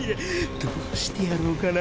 どうしてやろうかな？